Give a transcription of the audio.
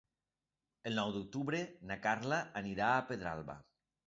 El nou d'octubre na Carla anirà a Pedralba.